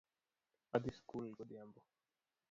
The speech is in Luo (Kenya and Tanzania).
Adhi sikul godhiambo